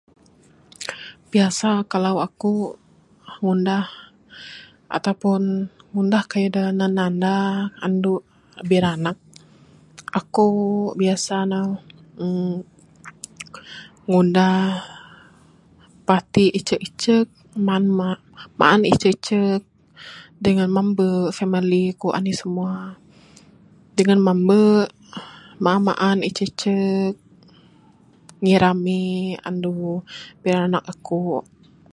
Biasa kalau akuk ngundah atau pun ngundah kayuh da, nan nanda andu biranak, akuk biasa ne uhh ngundah parti icuk icuk, nan maan icuk icuk dengan mambe famili kuk anih semua. Dengan mambe maan maan icuk icuk ngirami andu biranak akuk.